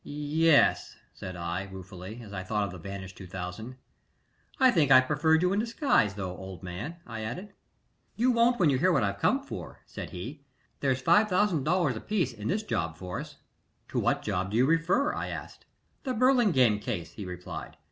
"Ye e es," said I, ruefully, as I thought of the vanished two thousand. "I think I preferred you in disguise, though, old man," I added. "You won't when you hear what I've come for," said he. "There's $5000 apiece in this job for us." "To what job do you refer?" I asked. "The Burlingame case," he replied.